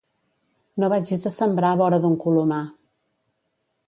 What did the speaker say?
No vagis a sembrar vora d'un colomar.